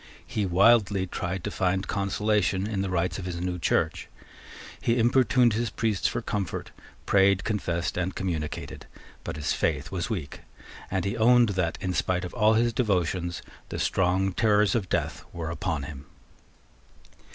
He wildly tried to find consolation in the rites of his new Church. He importuned his priests for comfort, prayed, confessed, and communicated: but his faith was weak; and he owned that, in spite of all his devotions, the strong terrors of death were upon him.